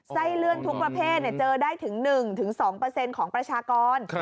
ไส้เลื่อนทุกประเภทเจอได้ถึง๑๒ของประชากร